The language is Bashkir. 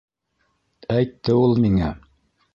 Әйтте ул миңә!